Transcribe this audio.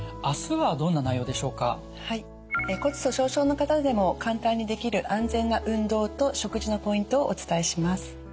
はい骨粗しょう症の方でも簡単にできる安全な運動と食事のポイントをお伝えします。